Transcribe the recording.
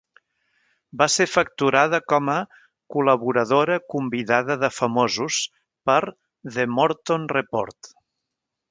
Va ser facturada com a "col·laboradora convidada de famosos" per "The Morton Report".